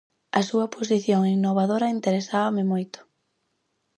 A súa posición innovadora interesábame moito.